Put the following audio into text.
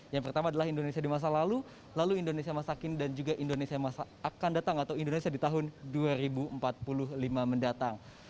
yang pertama adalah indonesia di masa lalu lalu indonesia masa kini dan juga indonesia akan datang atau indonesia di tahun dua ribu empat puluh lima mendatang